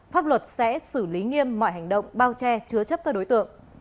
pháp luật sẽ xử lý nghiêm mọi hành động bao che chứa chấp các đối tượng